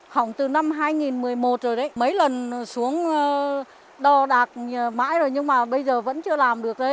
hỏng từ năm hai nghìn một mươi một rồi đấy mấy lần xuống đo đạc mãi rồi nhưng mà bây giờ vẫn chưa làm được